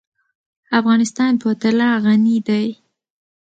افغانستان په طلا غني دی.